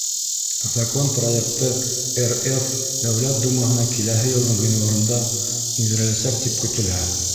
Закон проекты РФ Дәүләт Думаһына киләһе йылдың ғинуарында индереләсәк тип көтөлә.